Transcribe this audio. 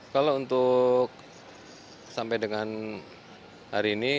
kalau untuk sampai dengan hari ini